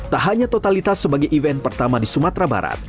tak hanya totalitas sebagai event pertama di sumatera barat